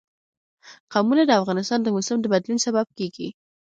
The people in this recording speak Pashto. قومونه د افغانستان د موسم د بدلون سبب کېږي.